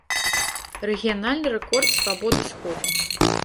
Рэгіянальны рэкорд свабоды сходу.